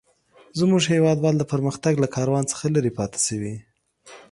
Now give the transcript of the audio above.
زموږ هيوادوال د پرمختګ له کاروان څخه لري پاته شوي.